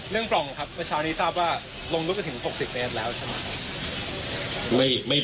เรื่องปล่องครับเมื่อเช้านี้ทราบว่าลงรถไปถึง๖๐เมตรแล้วใช่ไหมครับ